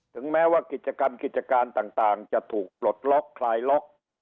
ถึงแม้ว่ากิจการต่างจะถูกหลดล็อกคลายล็อก